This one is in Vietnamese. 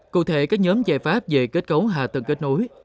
cụ thể các nhóm giải pháp về kết cấu hạ tầng kết nối